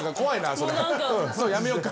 それやめようか。